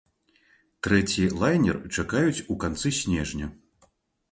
Трэці лайнер чакаюць у канцы снежня.